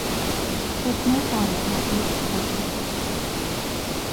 خدمت در مقابل اجرت